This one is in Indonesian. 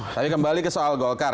tapi kembali ke soal golkar